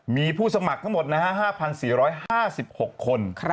มีผู้สมัครทั้งหมด๕๔๕๖คน